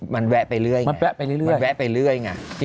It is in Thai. มันแวะไปเรื่อยไงมันแวะไปเรื่อยไง